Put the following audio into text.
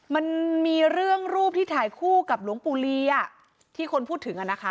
มันมีเรื่องรูปที่ถ่ายคู่กับหลวงปู่ลีอ่ะที่คนพูดถึงอ่ะนะคะ